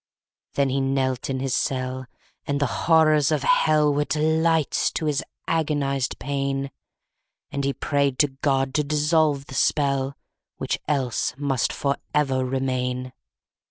7. Then he knelt in his cell: And the horrors of hell Were delights to his agonized pain, And he prayed to God to dissolve the spell, _40 Which else must for ever remain.